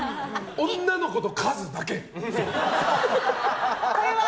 女の子とカズだけ。